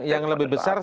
yang lebih besar